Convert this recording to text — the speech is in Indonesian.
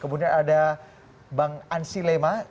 kemudian ada bang ansi lema